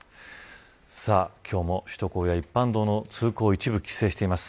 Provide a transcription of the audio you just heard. さあ、今日も首都高や一般道の通行を一部規制しています。